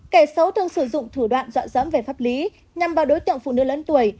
kẻ xấu thường sử dụng thủ đoạn dọa dẫm về pháp lý nhằm vào đối tượng phụ nữ lớn tuổi